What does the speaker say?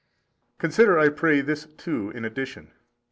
Consider I pray this too in addition.